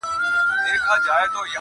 زما په ږغ به د سرو ګلو غنچي وا سي.